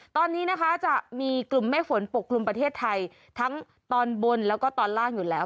ตอนนี้นะคะจะมีกลุ่มเมฆฝนปกกลุ่มประเทศไทยทั้งตอนบนแล้วก็ตอนล่างอยู่แล้ว